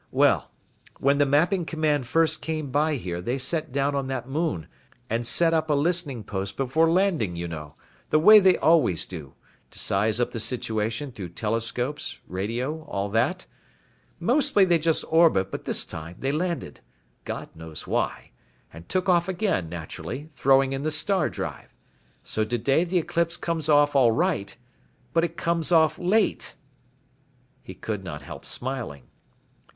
Well, when the Mapping Command first came by here they set down on that Moon and set up a listening post before landing, you know, the way they always do, to size up the situation through telescopes, radio, all that. Mostly they just orbit but this time they landed. God knows why. And took off again, naturally, throwing in the star drive. So today the eclipse comes off all right, but it comes off late." He could not help smiling.